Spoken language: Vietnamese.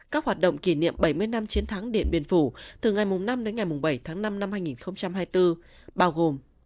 các hoạt động kỷ niệm bảy mươi năm chiến thắng điện biên phủ từ ngày năm đến ngày bảy tháng năm năm hai nghìn hai mươi bốn bao gồm